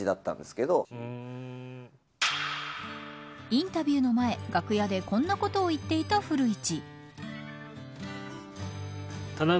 インタビューの前楽屋でこんなことを言っていた古市。